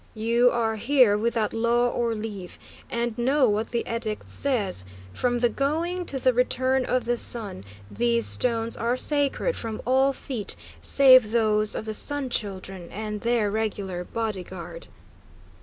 "You are here without law or leave, and know what the edict says: from the going to the return of the sun, these stones are sacred from all feet save those of the Sun Children and their regular body guard."